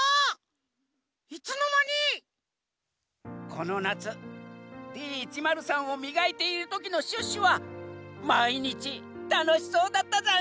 このなつＤ１０３をみがいているときのシュッシュはまいにちたのしそうだったざんす！